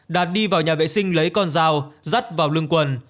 đạt đi vào nhà vệ sinh lấy con dao dắt vào lưng quần